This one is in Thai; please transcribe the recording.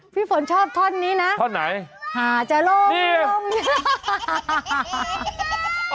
พี่ฝนชอบท่อนนี้นะท่อนไหนหาจะลงค่ะ